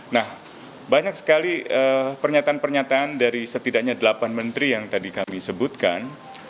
nah banyak sekali pernyataan pernyataan dari setidaknya delapan menteri yang tadi kami sebutkan